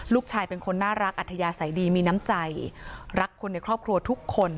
ลูกชายเป็นคนน่ารักอัธยาศัยดีมีน้ำใจรักคนในครอบครัวทุกคน